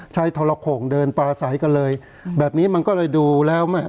ทรโข่งเดินปลาใสกันเลยแบบนี้มันก็เลยดูแล้วแม่